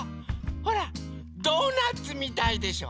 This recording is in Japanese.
ほらドーナツみたいでしょ！